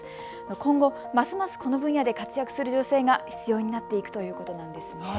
今後、ますますこの分野で活躍する女性が必要になっていくということなんですね。